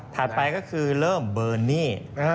ไปก็คือเริ่มเบอร์นี่